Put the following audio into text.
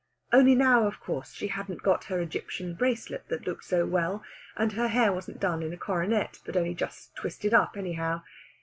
Only now, of course, she hadn't got her Egyptian bracelet that looked so well, and her hair wasn't done in a coronet, but only just twisted up anyhow.